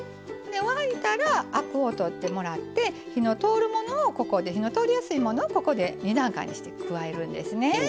沸いたらアクを取ってもらって火の通るものをここで火の通りやすいものをここで２段階にして加えるんですね。